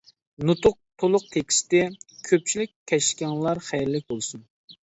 نۇتۇق تولۇق تېكىستى: كۆپچىلىك كەچلىكىڭلار خەيرلىك بولسۇن!